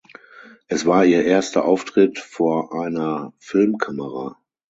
Es war ihr erster Auftritt vor einer Filmkamera.